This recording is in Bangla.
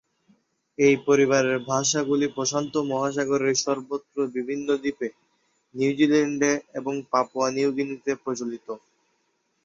এই পরিবারের ভাষাগুলি প্রশান্ত মহাসাগরের সর্বত্র বিভিন্ন দ্বীপে, নিউজিল্যান্ডে এবং পাপুয়া নিউ গিনিতে প্রচলিত।